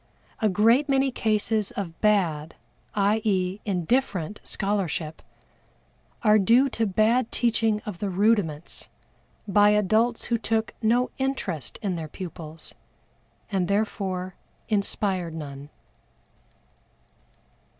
A great many cases of bad, i. e., indifferent scholarship, are due to bad teaching of the rudiments by adults who took no interest in their pupils, and therefore inspired none.